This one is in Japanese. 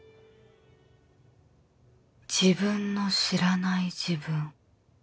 自分の知らない自分